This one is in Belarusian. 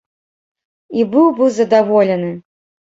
І быў бы задаволены!